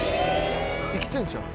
生きてんちゃう？